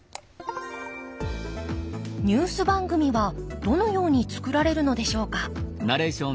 ニュース番組はどのように作られるのでしょうか。